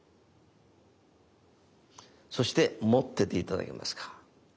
そして持ってて頂けますか？